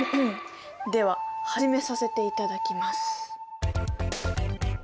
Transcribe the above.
では始めさせていただきます。